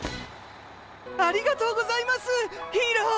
ありがとうございますヒーロー。